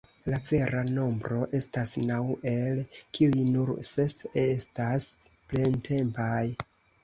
La vera nombro estas naŭ, el kiuj nur ses estas plentempaj.